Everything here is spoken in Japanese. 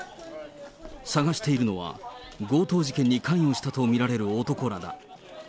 捜しているのは、強盗事件に関与したと見られる男らだ。